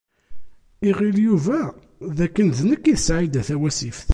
Iɣil Yuba d akken d nekk i d Saɛida Tawasift.